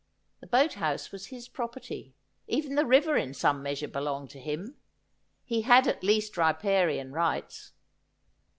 The boat house was his property ; even the river in some measure belonged to him ; lie had at least riparian rights.